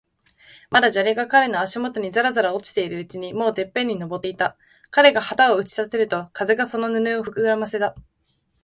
まだ砂利が彼の足もとにざらざら落ちているうちに、もうてっぺんに登っていた。彼が旗を打ち立てると、風がその布をふくらませた。